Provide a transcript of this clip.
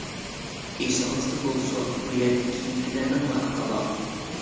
ئېسىڭىزدە بولسۇن بۇ يەردە كېيىنكىلەرنىڭمۇ ھەققى بار!